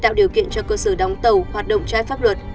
tạo điều kiện cho cơ sở đóng tàu hoạt động trái pháp luật